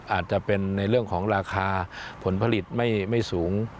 อาจจะเป็นในเรื่องของราคาผลผลิตไม่สูง